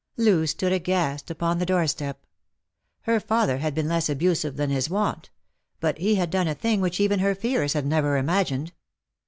Loo stood aghast upon the doorstep. Her father had been less abusive than his wont ; but he had done a thing which even her fears had never imagined.